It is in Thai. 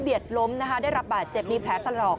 เบียดล้มนะฮะได้ระบะเจ็บมีแผลตะหรอก